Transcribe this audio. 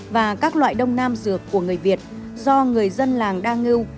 và các loại đông nam dược của người việt do người dân làng đa ngưu